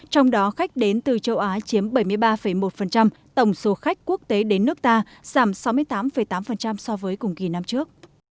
trong đó khách đến từ châu á chiếm bảy mươi ba một tổng số khách quốc tế đến nước ta giảm sáu mươi tám tám so với cùng kỳ năm trước